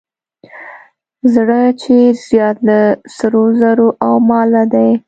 زړه چې زیات له سرو زرو او ماله دی.